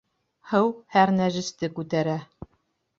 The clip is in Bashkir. Һыу һәр нәжесте күтәрә.